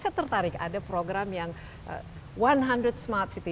saya tertarik ada program yang satu smart city